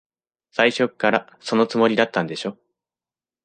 最初っから、そのつもりだったんでしょ。